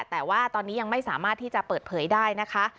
แต่ว่าตอนนี้ยังไม่สามารถที่จะเปิดเผยได้นะคะ